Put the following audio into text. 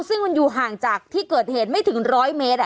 ซึ่งมันอยู่ห่างจากที่เกิดเหตุไม่ถึง๑๐๐เมตร